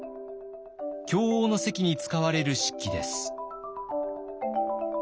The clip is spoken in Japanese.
饗応の席に使われる漆器です。